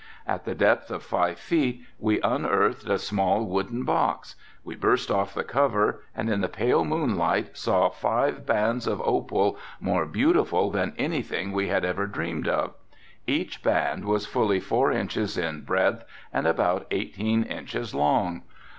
At the depth of five feet we unearthed a small wooden box, we burst off the cover and in the pale moonlight saw five bands of opal more beautiful than anything we had ever dreamed of. Each band was fully four inches in breadth and about eighteen inches long.